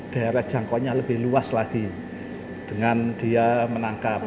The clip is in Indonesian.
daerah jangkauannya lebih luas lagi dengan dia menangkap